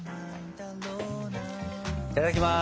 いただきます！